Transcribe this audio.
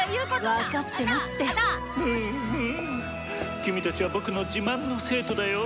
君たちは僕の自慢の生徒だよ」。